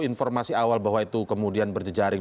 informasi awal bahwa itu kemudian berjejaring